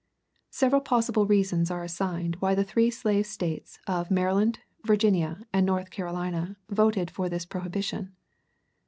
Several plausible reasons are assigned why the three slave States of Maryland, Virginia, and North Carolina voted for this prohibition.